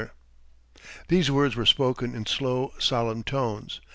] These words were spoken in slow, solemn tones.